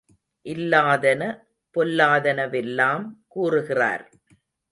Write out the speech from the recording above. இல்லாதன, பொல்லாதனவெல்லாம் கூறுகிறார்!